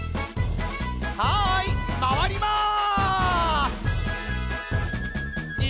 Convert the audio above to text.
はいまわります！